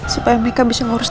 supaya mereka bisa ngurus